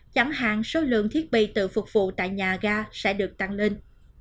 chẳng hạn số lượng thiết bị tự phục vụ tại nhà ga sẽ được tăng lên